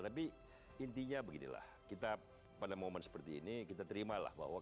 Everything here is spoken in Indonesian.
tapi intinya beginilah kita pada momen seperti ini kita terimalah bahwa